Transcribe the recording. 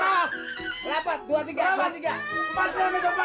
rapat dua tiga empat tiga